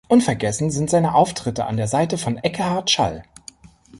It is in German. Unvergessen sind seine Auftritte an der Seite von Ekkehard Schall.